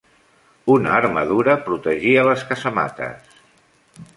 Una armadura protegia les casamates.